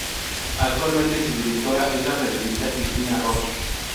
Actualmente, su directora es la periodista Cristina Ros.